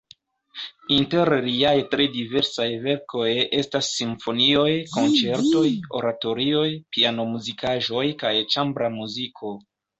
Inter liaj tre diversaj verkoj estas simfonioj, konĉertoj, oratorioj, piano-muzikaĵoj kaj ĉambra muziko.